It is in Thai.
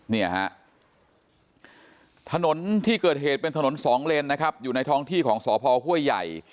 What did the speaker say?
เนี่ยฮะถนนที่เกิดเหตุเป็นถนนสองเลนนะครับอยู่ในท้องที่ของสพห้วยใหญ่